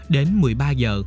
đến một mươi ba giờ